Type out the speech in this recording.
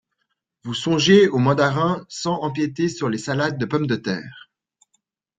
Vous songiez aux malandrins sans empiéter sur les salades de pommes de terre.